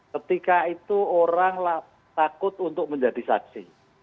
ketika itu orang takut untuk menjadi saksi